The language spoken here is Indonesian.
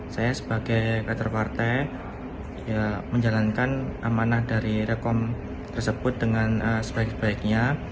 saya sebagai kader partai menjalankan amanah dari rekom tersebut dengan sebaik baiknya